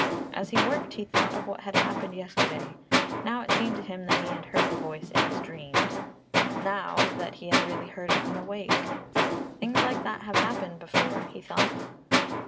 As he worked he thought of what had happened yesterday. Now it seemed to him that he had heard the voice in his dreams, now that he had really heard it when awake. "Things like that have happened before," he thought.